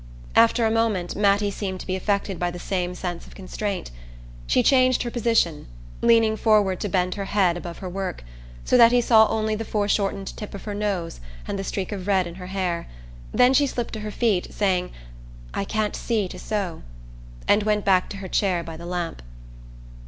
After a moment Mattie seemed to be affected by the same sense of constraint. She changed her position, leaning forward to bend her head above her work, so that he saw only the foreshortened tip of her nose and the streak of red in her hair; then she slipped to her feet, saying "I can't see to sew," and went back to her chair by the lamp.